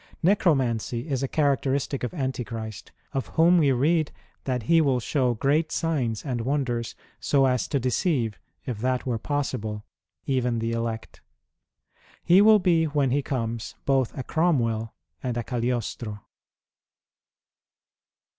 Necromancy is a characteristic of Antichrist, of whom we read, " that he will show great signs and wonders so as to deceive, if that were possible, even the elect." He will be when he comes both a Cromwell and a Cagliostro.